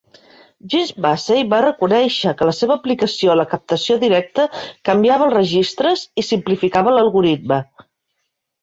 James Massey va reconèixer que la seva aplicació a la captació directa canviava els registres i simplificava l'algoritme.